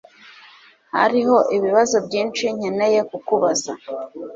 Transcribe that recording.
Hariho ibibazo byinshi nkeneye kukubaza.